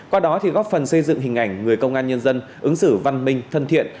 qua đó thì góp phần xây dựng hình ảnh người công an nhân dân ứng xử văn minh thân thiện